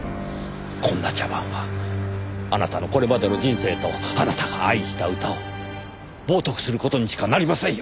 こんな茶番はあなたのこれまでの人生とあなたが愛した歌を冒涜する事にしかなりませんよ！